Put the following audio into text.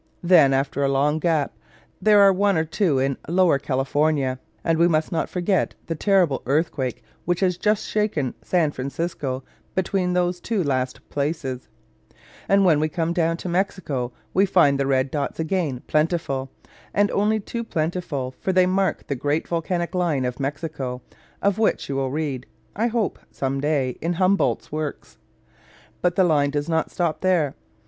Then, after a long gap, there are one or two in Lower California (and we must not forget the terrible earthquake which has just shaken San Francisco, between those two last places); and when we come down to Mexico we find the red dots again plentiful, and only too plentiful; for they mark the great volcanic line of Mexico, of which you will read, I hope, some day, in Humboldt's works. But the line does not stop there.